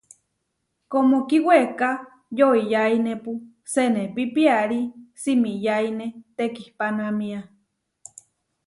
Kómo kiweká yoʼiyáinepu senépi piarí simiyáine tekihpánamia.